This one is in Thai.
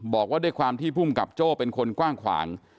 บอกว่าด้วยความที่ภูมิกับโจ้เป็นคนกว้างขวาง